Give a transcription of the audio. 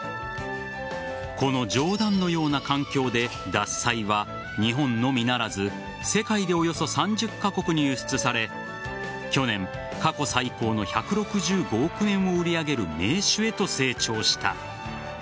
この冗談のような環境で獺祭は日本のみならず世界でおよそ３０カ国に輸出され去年、過去最高の１６５億円を売り上げる銘酒へと成長した。